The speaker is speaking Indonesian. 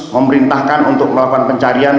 memerintahkan untuk melakukan pencarian